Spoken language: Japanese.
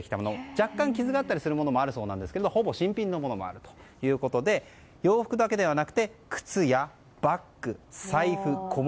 若干、傷があったりするものもあるそうなんですがほぼ新品のものもあるということで洋服だけではなくて靴やバッグ、財布、小物。